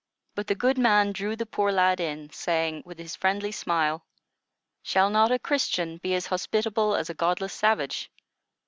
But the good man drew the poor lad in, saying, with his friendly smile: "Shall not a Christian be as hospitable as a godless savage?